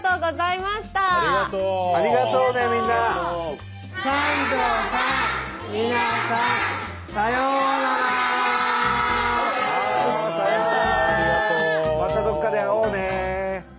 またどこかで会おうね。